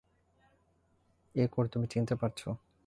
এই কোট তুমি চিনতে পারছো?